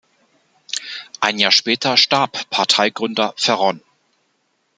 Ein Jahr später starb Parteigründer Ferron.